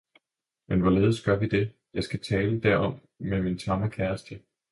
Men hvorledes gør vi det? Jeg skal tale derom med min tamme kæreste.